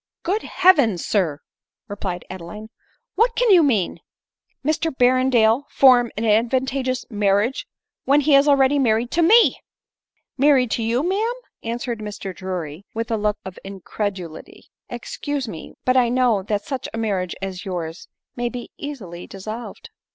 " Good heavens ! sir," replied Adeline ;" What can you mean ? Mr Berrendale form an advantageous mar riage when he is already married to me ?"" Married to you, ma'am !" answered Mr Drury with a look of incredulity. " Excuse me, but I know that such marriages as yours may be easily dissolved."